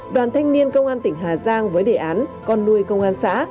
đoàn thanh niên công an tỉnh hà giang với đề án con nuôi công an xã